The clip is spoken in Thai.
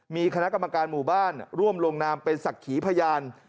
มีคณะกรรมการหมู่บ้านร่วมลงนามเป็นศักดิ์ขีพยาน